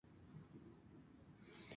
Miles de personas murieron en la hoguera.